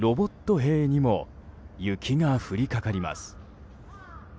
兵にも雪が降りかかります。